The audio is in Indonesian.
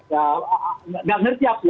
tidak mengerti aku